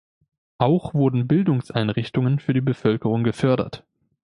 Auch wurden Bildungseinrichtungen für die Bevölkerung gefördert.